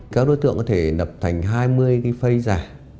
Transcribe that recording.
các đối tượng có thể lập thành hai mươi cái phây giả